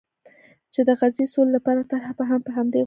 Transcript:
چې د غزې سولې لپاره طرحه به هم په همدې غونډه کې لاسلیک شي.